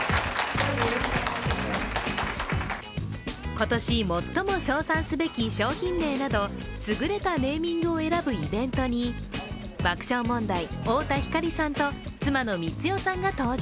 今年、最も称賛すべき商品名など優れたネーミングを選ぶイベントに爆笑問題・太田光さんと妻の光代さんが登場。